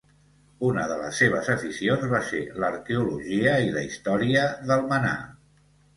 Una de les seves aficions va ser l'arqueologia i la història d'Almenar.